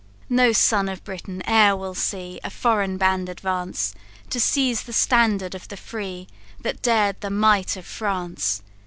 "No son of Britain e'er will see A foreign band advance, To seize the standard of the free, That dared the might of France.